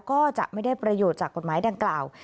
ก็จะไม่ได้ประโยชน์จากกฎหมายดังกล่าว